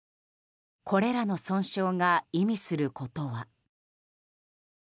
これらの損傷が意味することは。